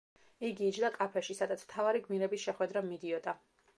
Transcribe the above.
იგი იჯდა კაფეში, სადაც მთავარი გმირების შეხვედრა მიდიოდა.